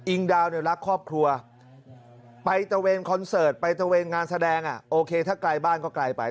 ดาวเนี่ยรักครอบครัวไปตะเวนคอนเสิร์ตไปตะเวนงานแสดงโอเคถ้าไกลบ้านก็ไกลไป